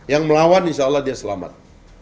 yang melawan insya allah dia selamat